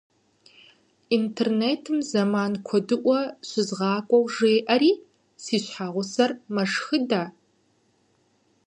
Интернетым зэман куэдыӏуэ щызгъакӏуэу жеӏэри, си щхьэгъусэр мэшхыдэ.